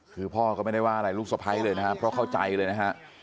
คือพ่อก็ไม่ได้ว่าอะไรลูกสะพ้ายเลยนะครับเพราะเข้าใจเลยนะฮะ